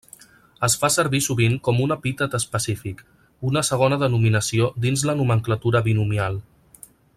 Es fa servir sovint com un epítet específic, una segona denominació dins la nomenclatura binomial.